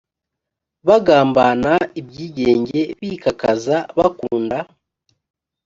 bagambana ibyigenge bikakaza bakunda